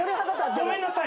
ごめんなさいね。